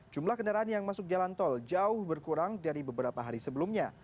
jumlah kendaraan yang masuk jalan tol jauh berkurang dari beberapa hari sebelumnya